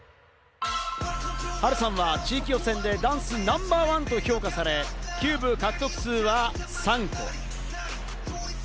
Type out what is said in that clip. ハルさんは地域予選でダンスをナンバーワンと評価され、キューブ獲得数は３個。